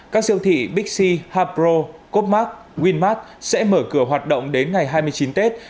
các siêu thị bixi harpro copmark winmart sẽ mở cửa hoạt động đến ngày hai mươi chín tết